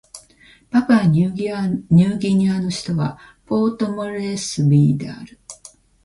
パプアニューギニアの首都はポートモレスビーである